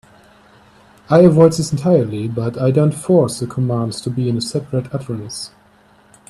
I avoid this entirely, but I don't force the commands to be in a separate utterance.